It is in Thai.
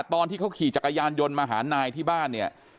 ตอนที่เขาขี่จักรยานยนต์มาหานายที่บ้านเนี่ย